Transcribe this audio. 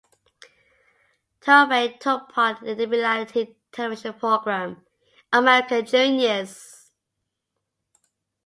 Tarver took part in the reality television program "American Juniors".